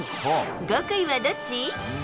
極意はどっち？